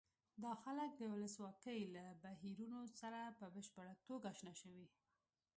دا خلک د ولسواکۍ له بهیرونو سره په بشپړه توګه اشنا شوي.